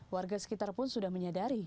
warga sekitar pun sudah menyadari